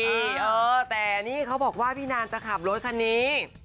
เออแต่นี่เขาบอกว่าพี่นานจะขับรถคันนี้